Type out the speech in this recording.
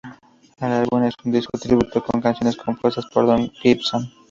El álbum es un disco tributo con canciones compuestas por Don Gibson.